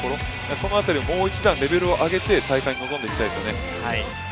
このあたり、もう一段レベルを上げて大会に臨んでいきたいですよね。